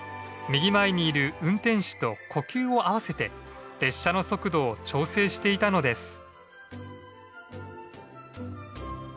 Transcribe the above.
右前にいる運転士と呼吸を合わせて列車の速度を調整していたのです。